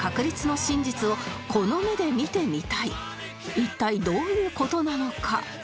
一体どういう事なのか？